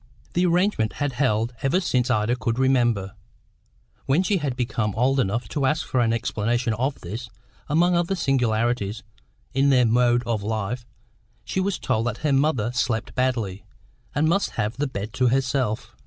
The arrangement had held ever since Ida could remember; when she had become old enough to ask for an explanation of this, among other singularities in their mode of life, she was told that her mother slept badly, and must have the bed to herself.